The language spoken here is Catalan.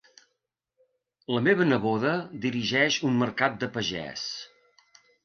La meva neboda dirigeix un mercat de pagès.